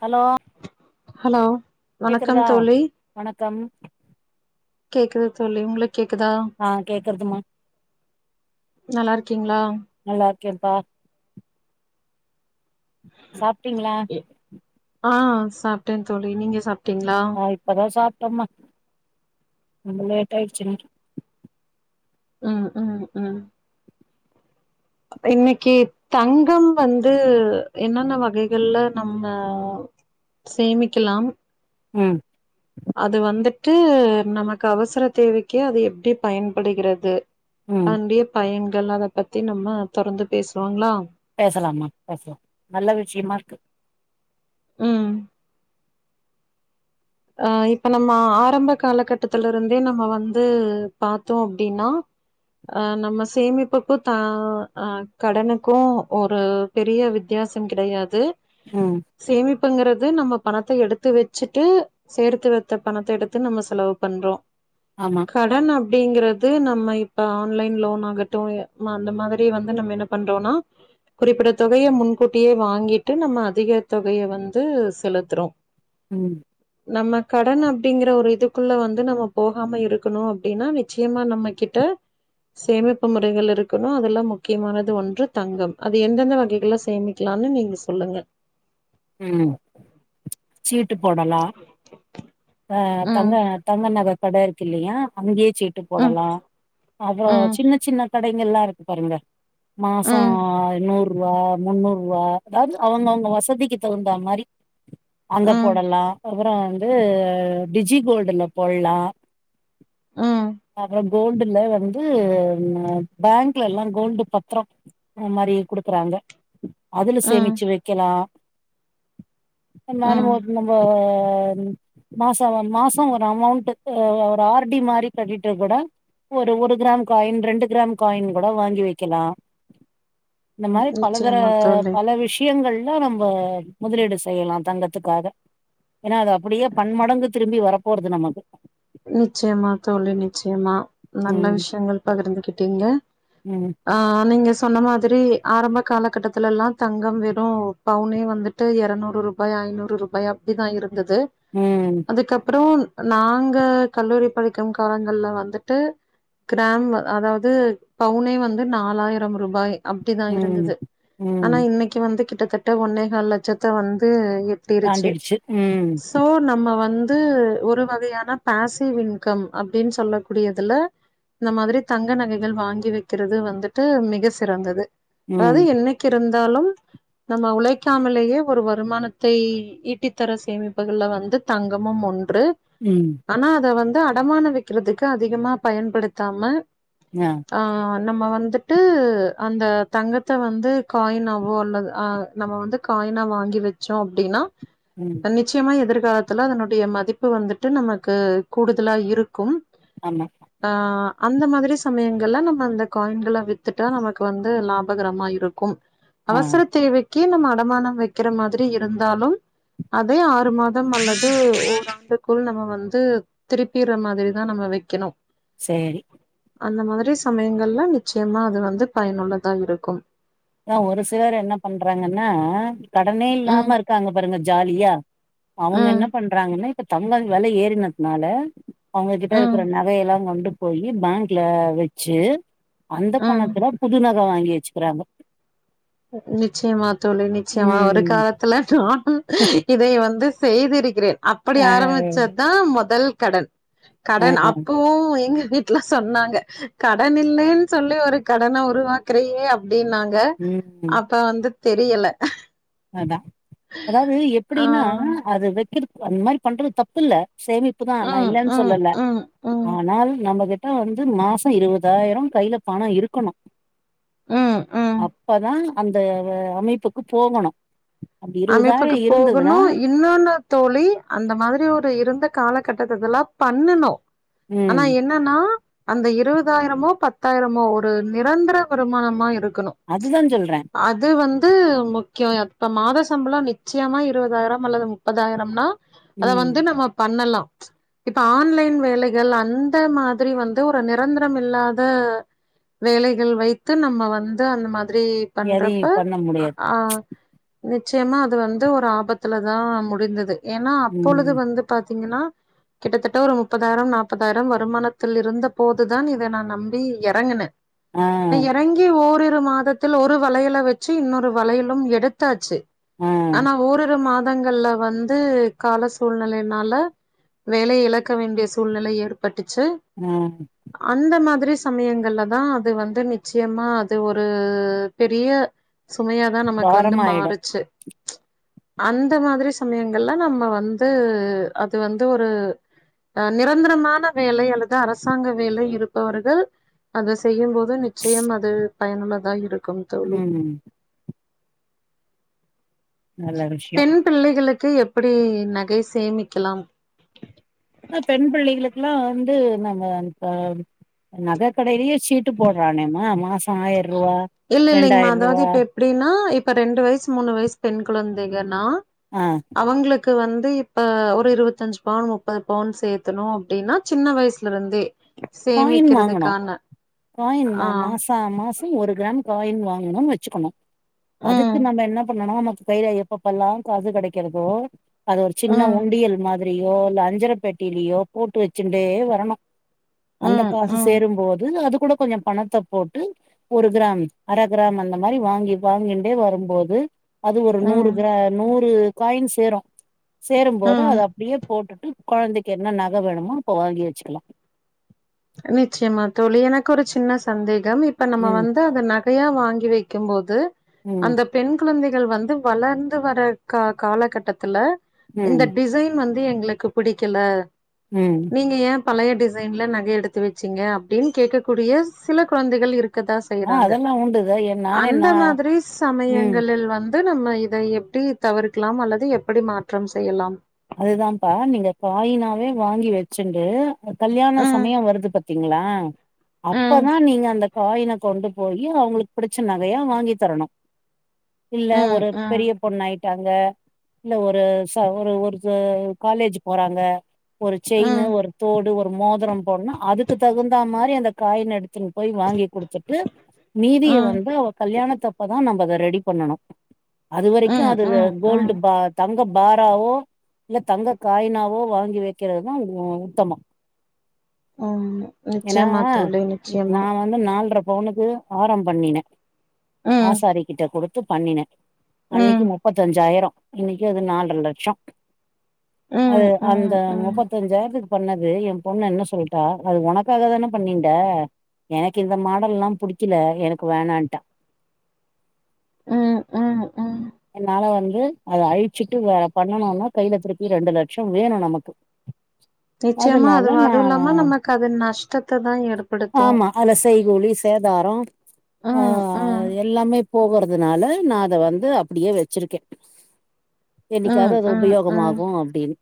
Hello hello வணக்கம் கேக்குறதா தோழி வணக்கம் கேக்குது தோழி உங்களுக் கேக்குதா ஆ கேக்கறதுமா நல்லாருக்கீங்ளா நல்லா இருக்கேம்ப்பா சாப்ட்டீங்ளா ஆ சாப்ட்டே தோழி நீங்க சாப்ட்டீங்ளா ந இப்பதா சாப்ட்டம்மா ரொம்ப லேட் ஆயிடுச்சு இன்னிக்கி ம் ம் இன்னிக்கி தங்கம் வந்து என்னன்னா வகைகள்ல நம்ம சேமிக்கிலாம் ம் அது வந்துட்டு நமக்கு அவசர தேவைக்கி அது எப்டி பயன்படுகிறது ம் அத்ன்டுய பயன்கள் அத பத்தி நம்ம தொடர்ந்து பேஸ்ளாங்ளா பேசலாம்மா பேசலா நல்ல விஷ்யமாருக்கு ம் ஆ இப்ப நம்ம ஆரம்ப காலகட்டத்துலருந்தே நம்ம வந்து பாத்தோ அப்டீனா அ நம்ம சேமிப்புக்கு த அ கடனுக்கு ஒரு பெரிய வித்தியாசம் கிடையாது ம் சேமிப்புங்கிறது நம்ம பணத்த எடுத்து வெச்சுட்டு சேர்த்து வத்த பணத்த எடுத்து நம்ம செலவு பண்றோ ஆமா கடன் அப்டிங்கிறது நம்ம இப்ப ஆன்லைன் லோன் ஆகட்டு ம அந்த மாதிரி வந்து நம்ம என்ன பண்றோனா குறிப்பிட தொகைய முன்கூட்டியே வாங்கிட்டு நம்ம அதிக தொகைய வந்து செலுத்துறோம் ம் நம்ம கடன் அப்டிங்கிற ஒரு இதுக்குள்ள வந்து நம்ம போகாம இருக்கணு அப்டின்னா நிச்சயமா நம்ம கிட் டு சேமிப்பு முறைகள் இருக்கணு அதுல முக்கியமானது ஒன்று தங்கம் அது எந்தெந்த வகைகள்ல சேமி க்கலானு நீங்க சொல்லுங்கள் ம் சீட்டு போடலா அ ம் தங்க தங்க நக கட இருக்குல்லியா அங்யே சீட்டு ம் போடலா அப்புறோ ம் சின்ன சின்ன கடைங்கல்லா இருக்கு பாருங்க மாசோ ம் ஐநூறு ருவா முன்னூர் ருவா அது அவுங்கவுங்க வசதிக்கி தகுந்தா மாரி அங்க ம் போடலா அப்பறோ வந்து அ டிஜி கோல்டுல போல்லா ம் அப்றம் கோல்டுல வந்து ஃபேங்க்லெல்லா கோல்டு பத்ரோ அ மாரி குடுக்குறாங்க அதுல ம் சேமிச்சு வைக்கெலா நானு ம் போத் நம்ப [unintelligible] மாசம் மாசம் ஒரு அமவுண்ட்டு ஒரு ஆர் டி மாரி கட்டிட்டு கூட ஒரு ஒரு கிராம் காயின் ரெண்டு கிராம் காயின் கூட வாங்கி வைக்கலா [inaudible] இந்த மாரி பலதர நிச்சயமா தோழி பல விஷ்யங்கள்ல நம் இப்ப முதலீடு செய்யலா தங்கத்துக்காக ஏனா அது அப்புடியே பன்மடங்கு திரும்பி வரப்போறது நமக்கு நிச்சயமா தோழி நிச்சயமா நல்ல ம் விஷயங்கள் பகிர்ந்துகிட்டீங்க ம் ஆ நீங்க சொன்ன மாதிரி ஆரம்ப காலகட்டத்துல எல்லா தங்கம் வெறு பவுனே வந்துட் தில் எரநூறு ரூபாய் ஐநூறு ரூபாய் அப்டிதா இருந்தது ம் அதுக்கப்புறம் நாங் அங்க கல்லூரி படிக்கும் காலங்கள்ல வந்துட்டு கிராம் அதாவது பவுனே வந்து நாலாயிரம் ரூபாய் அப்டிதா ம் இருந்தது ம் ஆனா இன்னைக்கு வந்து கிட்டத்தட்ட ஒன்னேகால் லட்சத்த வந்து இருச்சு தாண்டிடுச்சு ம் சோ நம்ம வந்து ஒரு வகையான பேசிவ் இன்கம் அப்டின்னு சொல்ல கூடியதுல இந்த மாதிரி தங்க நகைகள் வாங்கி வைக்கிறது வந்துட்டு மிக சிறந்தது அதாவது ம் என்னைக் இருந்தாலும் நம்ம உழைக்காமலேயே ஒரு வருமானத்தை ஈட்டித்தர சேமிப்புகள்ல வந்து தங்கமும் ஒன்று ம் ஆ அத வந்து அடமான வைக்கிறதுக்கு அதிகமா பயன்படுத்தாம அ ஆ நம்ம வந்துட்டு அந்த தங்கத்த வந்து காயினாவோ அல்லது அ நம்ம வந்து காயினா வாங்கி வச்சோம் அப்டின்னா ம் நிச்சயமா எதிர்காலத்துல அதனுடைய மதிப்பு வந்துட்டு நமக்கு கூடுதலா இருக்கும் ஆமா ஆ அந்த மாதிரி சமயங்கள்ல நம்ம அந்த காயின்கள வித்துட்டா நமக்கு வந்து லாபகரமா இருக் கும் ஆ அவசர தேவைக்கு நம்ம அடமானம் வைக்கிற மாதிரி இருந்தாலும் அதே ஆறு மாதம் அல்லது ஓர் ஆண்டுக்குள் நம்ம வந் து திருப்பீற மாதிரிதா நம்ம வைக்கணும் சேரி அந்த மாதிரி சமயங்கள்ல நிச்சயமா அது வந்து பயனுள்ளதாக இருக்கும் ஆனா ஒரு சிலர் என்ன பண்றாங்கன்னா கடனே ம் இல்லாம இருக்காங்க பாருங்க ஜாலியா அவங்க ம் என்ன பண்றாங்கன்னா இப்ப தங்க வெலை ஏறுனதுனால அவங்ககிட்ட ம் இருக்கிற நகையெல்லா கொண்டு போயி பேங்க்ல வச்சு அந்த ம் பணத்துல புது நகை வாங்கி வச்சுக்கிறாங்க நிச்சயமா தோழி நிச்சயமா ஒரு ம். காலத் துல நா இதை வந்து செய்திருக்கிறேன் அப்படி அ ஆரம்பிச்சது தா மொதல் கடன் ஆ. கடன் அப்பவு எங்க வீட் அப்யே சொன்னாங்க கடன் இல்லயேன் சொல்லி ஒரு கடன உருவாக்குறியே அப்டின்னாங்க ம். அப்ப வந்து தெரியல அதா அதாவ்து ஆ எப்டின்னா அது வெக்கிறக் அந் மாரி பண்றது தப்பு இல்ல சேமிப்புதா நா ம் இல்லன் ம் சொல்லல்ல ம் ம் ஆனால் நம்மகிட்ட வந்து மாசோ இருவதாயிரம் கையில பணம் இருக்கணும் ம் ம் அப்பதான் அந்த அமைப்புக்கு போகணும் அமைப்புக்கு போகணு இப் இன்னோன்னு தோழி அந்த மாதிரி ஒரு இருந்த காலகட்டத்திலெல்லா பண்ணனு ஆனா ம் என் என்னன்னா அந்த இருபதாயிரமோ பத்தாயிரமோ ஒரு நிரந்தர வருமானமா இருக்கணும் அதுதா சொல்ற அது வந்து முக்கியம் எப்ப மாத சம்பளோ நிச்சயமா இருபதாயிர அல்லது முப்பதாயிரம்னா அத ம் வந்து நம்ம பண்ணலா இப்ப ஆன்லைன் வேலைகள் அந்த மாதிரி வந்து ஒரு நிரந்தரம் இல்லாத வேலைகள் வைத்து நம்ம வந்து அந்த மாதிரி எதையு பண்றப்ப பண்ண அ முடியாது ஆ நிச்சயமா அது வந்து ஒரு ஆபத்துலதா முடிந்தது ஏனா அப்பொழுது ம் வந்து பாத்தீங்கனா கிட்டத்தட்ட ஒரு முப்பதாயிரம் நாப்பதாயிரம் வருமானத்தில் இருந்த போதுதா இதை நா நம்பி எறங்குனே ஆ நான் இறங்கி ஓரிரு மாதத் தல ஒரு வளையல வச்சு இன்னொரு வளையலு எடுத்தாச்சு. ஆ ஆனா ஓரிரு மாதங்கள்ல வந் து கால சூழ்நிலைனால வேலைய இழக்க வேண்டிய சூழ்நெல ஏற்பட்டுச்சு ம் அந்த மாதிரி சமயங்கள்லதா அது வந்து நிச்சயமா அது ஒரு பெரிய சுமையாதா நமக்கு வந்து பாரமாயிடு மாறுச்சு அந்த மாதிரி சமயங்கள்லா நம்ம வந்து அது வந்து ஒரு அ நிரந்தரமான வேலை அல்லது அரசாங்க வேலை இருப்பவர்கள் அத செய்யும்போ து நிச்சயோ அது பயனுள்ளதா இருக்கு ம். நல்ல விஷ்யொ பெண் பிள்ளைகளுக்கு எபடி நகை சேமிக்கலாம் ஆ பெண் பிள்ளைகளுக்குல்லா வந்து நம்ம இப்ப நகை கடையிலேயே ஷீட் போடுறானேமா மாசம் ஆயிரூபா ரெண்டாயிரூபா ப்டின்னா இப்ப ரெண்டு வய்சு மூணு வய்சு பெண் குழந்தைகன்னா ஆ அவுங்களுக்கு வந்து இப்ப ஒரு இருபத்தஞ்சு பவுன் முப்பது பவுன் சேத்தணு அப்டின்னா சின்ன வயசுல இருந்தே காயின் வாங்கனு சேமிக்கிறதுக்கான காயின் ஆ மா-மாச அ மாசம் ஒரு கிராம் காயின் வாங்கணு வச்சுக்கணு அதுக் ம் நம்ம என்ன பண்ணனு மொத கையில எப்பப்பல்லா காசு கெடைக்கிறதோ அது ஒரு சின்ன ம் உண்டியல் மா திரியோ இல்ல அஞ்சர பெட்டிலயோ போட்டு வச்சுகிட்டே வரணு அந்த ம் காசு ம் சேரும்போது அது கூட கொஞ்ச பணத்தை போட்டு ஒரு கிராம் அர கிராம் அந்த மாதிரி வாங்கி வாங்கிண்டே வரும்போது அது ஒரு நூறு ம் கிரா நூறு காயின் சேரு சேரும்போது ம். அது அப்டியே போட்டுட்டு கொழந்தைக்கு என்ன நக வேணுமோ அப்ப வாங்கி வச்சுக்கலா நிச்சயமா தோழி எனக்கு ஒரு சின்ன சந்தேக இப்ப நம்ம ம் வந்து அந்த ந சையா வாங்கி வைக்கும்போது ம் அந்தப் பெண் குழந்தைகள் வந்து வளந்து வர கா-காலகட்டத்துல ம் இந்த டிசைன் வந்து எங்ளுக்கு புடிக்கல ம் நீங்க ஏ பழைய டிசைன்ல நகை எடுத்து வச்சீங்க அப்டின்னு கேட்கக்கூடிய சில குழந்தைகள் இருக்க கதான் ஆ செய்றாங்க அதெல்லா உண்டுத எ நானே அந்த நா மாதிரி ம் சமயங்களில் வந் து நம்ம இதை எப்படி தவிர்க்கலா அல்லது எப்டி மாற்றம் செய்யலாம் அதுதான்ப்பா நீங்க காயினாவே வாங்கி வச்சுண்டு கல்யாண ம் சமயோ வருது பாத்தீங்களா ம் அப்பதா நீங்க அந்த காயின கொண்டு போயி அவங்ளுக்கு புடிச்ச நகையா வாங்கி தரணு இல்ல ம் ஒரு ம் பெரிய பொண்ணாயிட்டாங்க இல்ல ஒரு ச ஒரு ஒரு ச காலேஜ்ஜி போறாங்க ஒரு செயினு ம் ஒரு தோடு ஒரு மோதிரம் போடனுனா அததுக்கு தகுந்தா மாதிரி அந்த காயின எடுத் த்துனு போய் வாங்கி குடுத்துட்டு மீதிய ம் வந்து அவ கல்யாணத்தப்பதா நம்ம அத ரெடி பண்ணனு அது வரைக்கு ம் அது வே ம் ம் கோல்டு பா தங்க பாராவோ இல்ல தங்க காய்னாவோ வாங்கி வைக்கிறதுதா உ-உத்தம ம் ஏன்னா நிச்சயமா தோழி நிச்சயமா நா வந்து நால்ர பவுனுக்கு ஆரம் பண்ணினேன் ம் ஆசாரி கிட்ட குடுத்து பண்ணினே ம் அன்னக்கு முப்பத்தஞ் அஞ்சாயிரம் இன்னக்கு அது நால்ர லட்சொம் அது ம் அந்த ம் ம் முப்பத்தஞ்சாயிர பண்ணது எம் பொண்ணு என்ன சொல்லிட்டா அது ஒனக்காகத் தானே பண்ணின்ட எனக்கு இந்த மாடல்ல்லாம் புடிக்கல எனக்கு வேணான்ட்டா ம் ம் ம் என்னால வந்து அத அழிச்சுட்டு வேற பண்ணனுன்னா கையிலத் திருப்பியு ரெண்டு லட்சொம் வேணும் நமக்கு நிச்சயமா அது அதுனால அது நான் இல்லாம நமக்கு அது நஷ்டத்த தா ஏற்படுத்து ஆமா அதுல செய்கூலி சே சேதாரம் ஆ ம் ம் எல்லாமே போகுறதுனால நான் அத வந்து அப்புடியே வச்சிருக்கேன் ம் என்னிக்காவது அது ம் ம் உபயோகமாகும் அப்டின்னு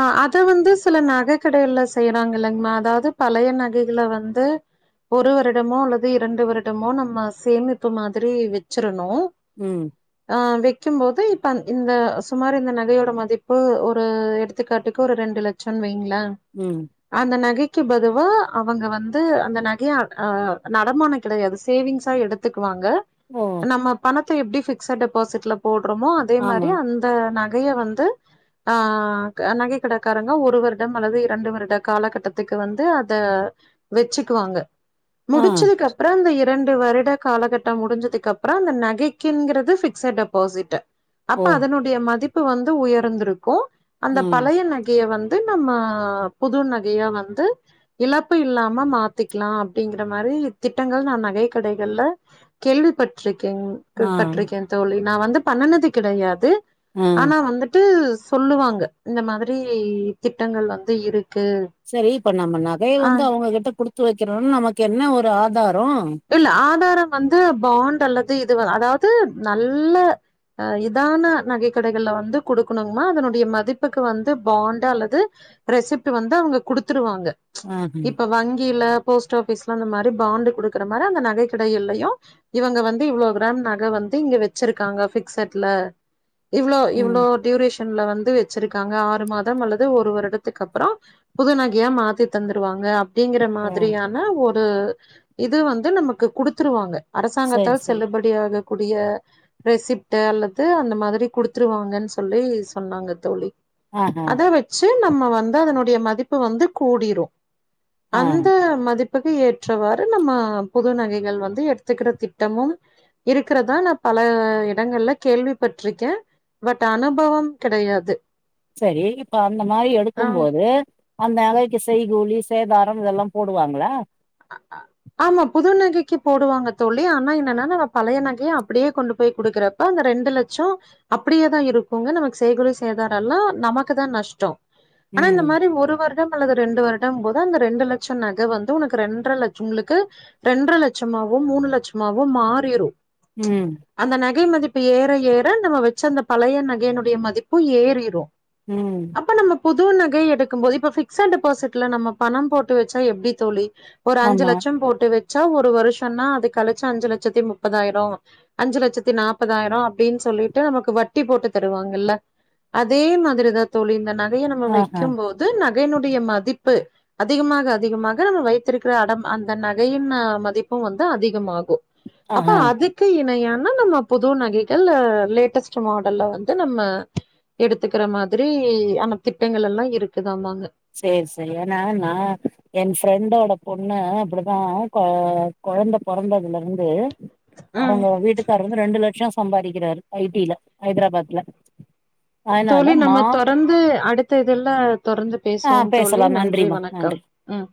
ஆ அத வந்து சில நகைக் கடைகள்ல செய்யறாங்க இல்லங்கம்மா அதாவது பழைய நகைகளை வந்து ஒரு வருடமோ அல்லது இரண்டு வருடமோ நம்ம சேமிப்பு மாதிரி வச்சிரணும் ம் அ விக்கும் போது இப்ப இந்த சுமார் இந்த நகையோட மதிப்பு ஒரு எடுத் எடுத்துக்காட்டுக்கு ஒரு ரெண்டு லட்சோம்ன்னு வைங்களே ம் அந்த நகைக்கு பதுவா அவங்க வந்து அந்த நகைய அ ஆ நடமானம் கெடையாது சேவிங்ஸா எடுத் த்துக்குவாங்க ஓ நம்ம பணத்த எப்டி ஃபிக்ஸட் டெபாசிட்ல போட்றோமோ அதே மாரி ஆமா அந் இந்த நகைய வந்து ஆ நகை கடைக்காரங்க ஒரு வருடம் அல்லது இரண்டு வருட காலகட்டத்துக்கு வந்து அத வெச்சுக்குவாங்க ஆ முடிச்சதுக்கு அப்றம் அந்த எத் இரண்டு வருட காலகட்டம் முடிஞ்சதுக்கு அப்றம் அந்த நகைக்குங்கிறது ஃபிக்ஸட் டெபாசிட் ஓ அப்ப அதனுடைய மதிப்பு வந்து உயர்ந்திருக்கும் அந்த ம் பழைய நக பயே வந்து நம்ம புது நகையா வந்து இழப்பு இல்லாம மாத்திக்கலாம் அப்டிங்கிற மாதிரித் திட்டங்கள் நான் நகை கடைகள்ல கேள்விப்பட்டிருக்கேங் ஆ க்பட்ருக்கேன் தோழி நான் வந்து பண்ணுனது கெடையாது ஆ ஆனா வந்துட் வண்ட்டு சொல்லுவாங்க இந்த மாதிரி திட்டங்கள் வந்து இருக்கு செரி இப்ப நம்ம நகைய ஆ வந்து அவங்ககிட்ட குடுத்து வக்கிறோம்ன்னு நமக்கு என்ன ஒரு ஆதாரம் இல்ல ஆதாரம் வந்து பாண்ட் அல்லது இது வ அதாவது நல்ல அ இதான நகைக் கடைகள்ல வந்து குடுக்கணுங்க்ம்மா அதனுடைய மதிப்புக்கு வந்து பாண்ட்டு அல்லது ரெசிப்ட் வந்து அவேங்க குடுத்துருவாங்க ஆஹா இப்ப வங்கியில போஸ்ட் ஆஃபிஸ்ல அந்த மாரி பாண்டு குடுக்குற மாரி அந்த நகைக் கடையிலயும் இவங்க வந்து இவ்ளோ கிராம் நக வந்து இங்க வச்சிருக்காங்க ஃபிக்சட்ல இவ்ளோ இவ்ளோ ம் டியூரேஷன்ல வந்து வச்சிருக்காங்க ஆறு மாதம் அல்லது ஒரு வருடத்துக்கு அப்றோம் புது நகையா மாத்தி தந்துடுவாங்க அப் அப்டிங்கிற ஓ மாதிரியான ஒரு இது வந்து நமக்கு குடுத்துருவாங்க சரி அரசாங்கத்தால் சரி செல்லுபடியாகக் கூடிய ரெசிப்ட் அல்லது அந்த மாதிரி குடுத்துருவாங்கன்னு சொல்லி சொன்னாங்க தோழி ஆஹா அத வச்சு நம்ம வந்து அதனுடைய மதிப்பு வந்து கூடிரும் ஆ அந்த மதிப்புக்கு ஏற்றவாற் நம்ம புது நகைகள் வந்து எடுத்துக்கிற திட்டமும் இருக்கறதா நா பல இடங்கள்ல கேள்வி பட்டிருக்கே பட் அனுபவம் கெடையாது சரி இப்ப அந்த மாரி எடுக்கும்போது அந்த நகைக்கு செய்கூலி சேதாரம் இதெல்லாம் போடுவாங்களா அ அ ஆமா புதுநகைக்கு போடுவாங்க தோழி ஆனா என்னன்னா நா பழைய நகையை அப்டியே கொண்டு போய் குடுக்கற இப்ப அந்த ரெண்டு லட்சோ அப்டியேதா இருக்குங்க நமக்கு செய்கூலி சேதாரல்லா நமக்குதா நஷ்டோ ஆனா இந்த ம் மாரி ஒரு வருடம் அல்லது ரெண்டு வருடம்போது அந்த ரெண்டு லட்சோ நகை வந்து உனக்கு ரெண்டரை லட்சோ உங்களுக்கு ரெண்டரை லட்சமாவோ மூணு லட்சமாவோ மாறிரு ம் அந்த நகை மதிப்பு ஏற ஏற நம்ம வெச்சிருந்த அந்த பழைய நகையினுடைய மதிப்பு ஏறிரு ம் இப்ப நம்ம புது நகை எடுக்கும்போது இப்ப ஃபிக்சட் டெபாசிட்ல நம்ம பணோ போட்டு வெச்சா எப்டி தோழி ஒரு அஞ்சு ஆமா லட்சோ போட்டு வச்சா ஒரு வருஷோன்னா அது கழிச்சு அஞ்சு லட்சத்தி முப்பதாயிரோ அஞ்சு லட்சத்தி நாற்பதாயிரோ அப்டின்னு சொல்லிட்டு நமக்கு வட்டி போட்டு தருவாங்கல்ல அதே மாதிரிதா தோழி இந்த நட் கைய நம்ம ஆஹா வைக்கும் போது நகையனுடைய மதிப்பு அதிகமாக அதிகமாக நம்ம வைத் வெத்திருக்கிற அடம் அந்த நகையின் மதிப்பு வந்து அதிகமாகு அப்ப ஆஹா அது க்கு இணையானா நம்ம புது நகைகள் லேட்டஸ்ட் மாடல்ல வந்து நம்ம எடுத்துக்கற மாரி அந்த திட்டங்கள் எல்லா இருக்குதாமாங்க சேர் சேர் ஏனா நா என் ஃப்ரெண்டோட பொண்ணு அப்டிதா கொ கொழந்த பொறந்தலிருந்து ம் அவுங்க வீட்டுக்காரரு வந்து ரெண்டு லட்சோ சம்பாதிக்கிறாரு ஐ டில ஹைதராபாத்ல அதனால தோழி நம்ம மா தொடர்ந்து அடுத்த இதுல தொடர்ந்து ஆ பேசுவோம் தோழி பேசலா நன்றி நன்றிமா நன்றி வணக்கம் ம்